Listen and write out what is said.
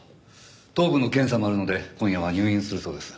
頭部の検査もあるので今夜は入院するそうです。